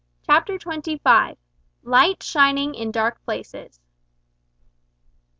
CHAPTER TWENTY FIVE. LIGHT SHINING IN DARK PLACES.